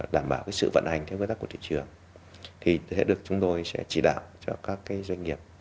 đảm bảo cái sự vận hành theo quyết tắc của thị trường thì sẽ được chúng tôi sẽ chỉ đạo cho các cái doanh nghiệp